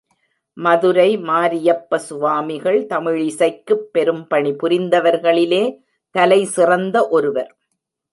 மதுரை மாரியப்ப சுவாமிகள் தமிழிசைக்குப் பெரும் பணி புரிந்தவர்களிலே தலைசிறந்த ஒருவர்.